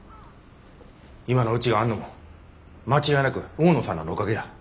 今のうちがあんのも間違いなく大野さんらのおかげや。